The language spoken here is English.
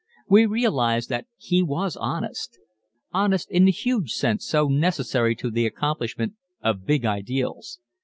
We realize that he was honest honest in the huge sense so necessary to the accomplishment of big ideals.